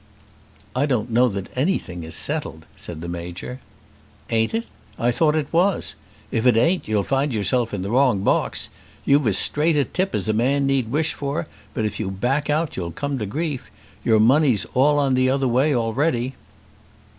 "I don't know that anything is settled," said the Major. "Ain't it? I thought it was. If it ain't you'll find yourself in the wrong box. You've as straight a tip as a man need wish for, but if you back out you'll come to grief. Your money's all on the other way already."